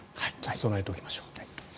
備えておきましょう。